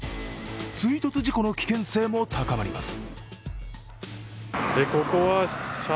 追突事故の危険性も高まります。